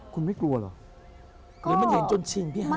คุณไม่กลัวเหรอหรือมันเห็นจนชินพี่ฮะ